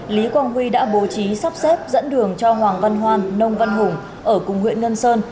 lý quang huy đã bố trí sắp xếp dẫn đường cho hoàng văn hoan nông văn hùng ở cùng huyện ngân sơn